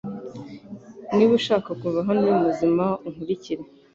Niba ushaka kuva hano uri muzima, unkurikire